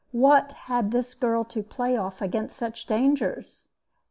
What had this girl to play off against such dangers?